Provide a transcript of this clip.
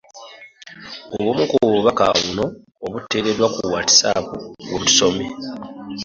Obumu ku bubaka buno obwateereddwa ku Whatsapp bwe busomye.